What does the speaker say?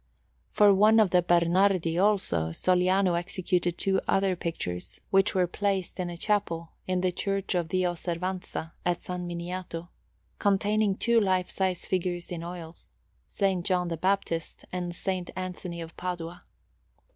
For one of the Bernardi, also, Sogliani executed two other pictures, which were placed in a chapel in the Church of the Osservanza at San Miniato, containing two lifesize figures in oils S. John the Baptist and S. Anthony of Padua.